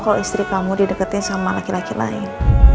kalau istri kamu didekatin sama laki laki lain